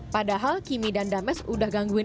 padahal kimmy dan dames udah gangguin